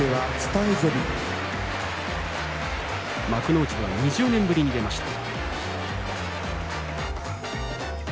幕内では２０年ぶりに出ました。